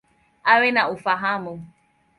Awe na ufahamu.